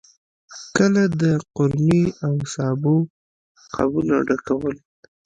کله د قورمې او سابو قابونه ډکول.